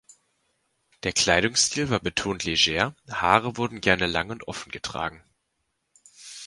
Der Kleidungsstil war betont leger, Haare wurden gerne lang und offen getragen.